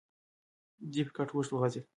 دی پر کټ اوږد وغځېد.